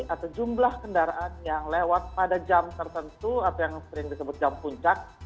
atau jumlah kendaraan yang lewat pada jam tertentu atau yang sering disebut jam puncak